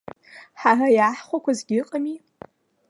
Ҳара иааҳхәақәазгьы ыҟами.